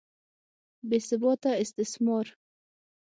بې ثباته استثمار.